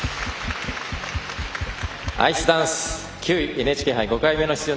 アイスダンス９位ＮＨＫ杯５回目の出場